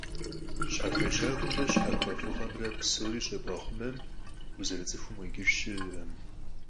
Щхьэхуещагъэмрэ щхьэхуэфӀыгъэмрэ псори щӀебгъэхъумэмэ, узэрыцӀыхум къикӀыж щыӀэкъым.